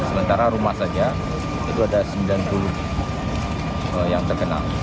sementara rumah saja itu ada sembilan puluh yang terkena